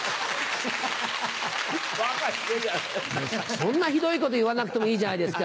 そんなひどいこと言わなくてもいいじゃないですか。